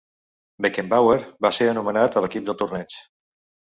Beckenbauer va ser anomenat a l'equip del torneig.